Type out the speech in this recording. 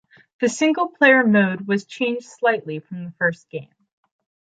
The single player mode was changed slightly from the first game.